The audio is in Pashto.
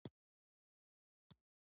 سوالګر ته یو ملنډه ټپي کوي